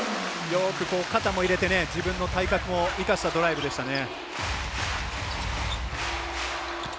よく肩も入れて自分の体格も生かしたドライブでしたね。